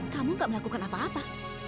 kamu gak melakukan apa apa